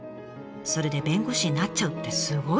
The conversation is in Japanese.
それで弁護士になっちゃうってすごい！